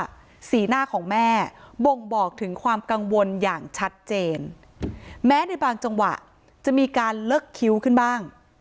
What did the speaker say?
สีหน้าของแม่บ่งบอกถึงความกังวลอย่างชัดเจนแม้ในบางจังหวะจะมีการเลิกคิ้วขึ้นบ้าง